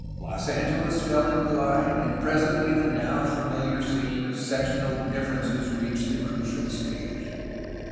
Los Angeles fell into line, and presently the now familiar scene of sectional differences reached the crucial stage.